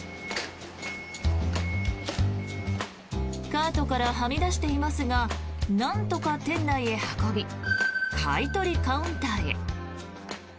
カートからはみ出していますがなんとか店内へ運び買い取りカウンターへ。